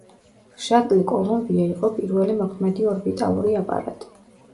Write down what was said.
შატლი „კოლუმბია“ იყო პირველი მოქმედი ორბიტალური აპარატი.